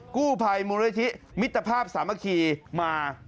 กู้ไพรมฤทธิมิตรภาพสามัครีมา